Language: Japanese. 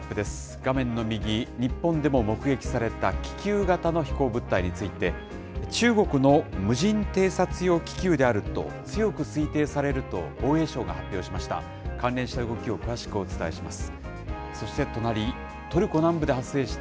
画面の右、日本でも目撃された気球型の飛行物体について、中国の無人偵察用気球であると、強く推定されると防衛省が発表しました。